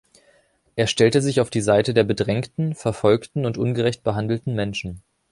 Er stellte sich auf die Seite der bedrängten, verfolgten und ungerecht behandelten Menschen.